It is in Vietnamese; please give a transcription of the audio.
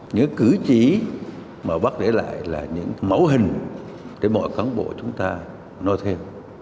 những cử chỉ mà bác để lại là những mẫu hình để mọi cán bộ chúng ta nói thêm